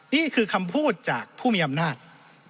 นี่คือคำพูดจากผู้มีอำนาจ